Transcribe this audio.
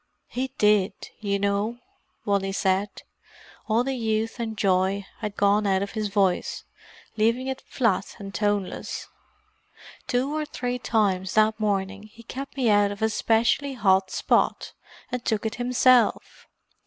"He did, you know," Wally said. All the youth and joy had gone out of his voice, leaving it flat and toneless. "Two or three times that morning he kept me out of a specially hot spot, and took it himself.